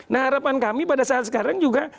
nah harapan kami pada saat sekarang juga